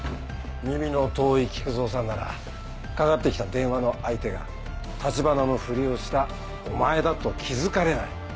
耳の遠い菊蔵さんならかかって来た電話の相手が橘のふりをしたお前だと気付かれない。